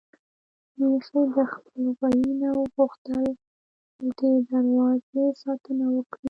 ميښې د خپل غويي نه وغوښتل چې د دروازې ساتنه وکړي.